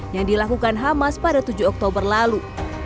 yang dilakukan hamas pada tujuh oktober lalu